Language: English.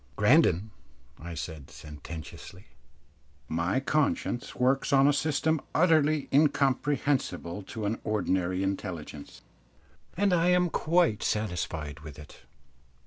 "Grandon," I said, sententiously, "my conscience works on a system utterly incomprehensible to an ordinary intelligence, and I am quite satisfied with it.